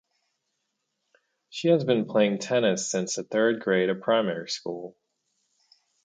She has been playing tennis since the third grade of primary school.